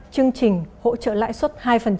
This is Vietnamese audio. chương trình hỗ trợ lãi suất hai